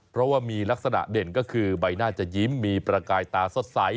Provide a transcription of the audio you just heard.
เพราะว่ามีลักษณะเด่นก็คือใบหน้าจะยิ้มมีประกายตาสดใส